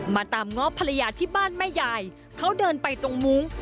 ตามง้อภรรยาที่บ้านแม่ยายเขาเดินไปตรงมุ้ง